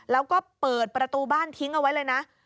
แล้วก็เปิดประตูบ้านทิ้งเอาไว้เลยนะ